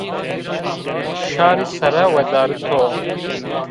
Şarî sere wedarito